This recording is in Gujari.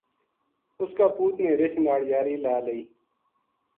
اس کا پوت نے رچھ ناڑ یاری لا لئی